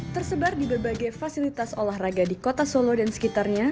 tersebar di berbagai fasilitas olahraga di kota solo dan sekitarnya